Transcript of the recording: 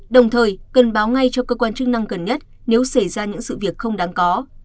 đồng thời cần báo ngay cho cơ quan chức năng gần nhất nếu xảy ra những sự việc không đáng có